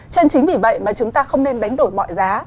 cho nên chính vì vậy mà chúng ta không nên đánh đổi mọi giá